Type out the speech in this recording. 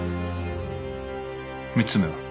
３つ目は？